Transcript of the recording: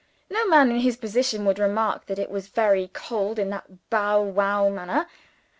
No man in his position would remark that it was very cold in that bow wow manner.